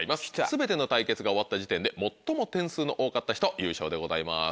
全ての対決が終わった時点で最も点数の多かった人優勝でございます。